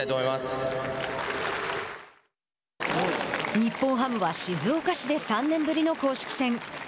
日本ハムは、静岡市で３年ぶりの公式戦。